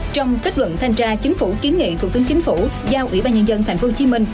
trong kết luận thanh tra chính phủ kiến nghị thủ tướng chính phủ giao ủy ban nhân dân tp hcm